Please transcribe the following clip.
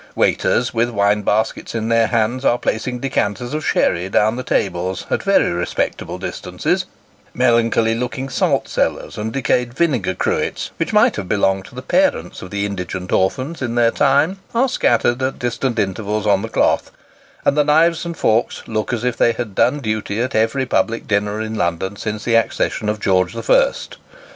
Waiters, with wine baskets in their hands, are placing decanters of sherry down the tables, at very respectable distances ; melancholy looking salt cellars, and decayed vinegar cruets, which might have belonged to the parents of the indigent orphans in their time, are scattered at distant intervals on the cloth ; and the knives and forks look as if they had done duty at every public dinner in London since the accession of George the First.